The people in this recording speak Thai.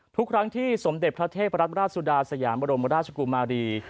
ทุกครั้งที่สมเด็จพระเทพรัตนราชสุดาสยามบรมราชกุมารี